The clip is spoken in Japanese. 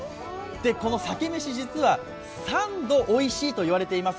この鮭めし、実は３度おいしいといわれています。